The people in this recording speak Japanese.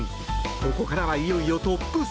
ここからはいよいよトップ３。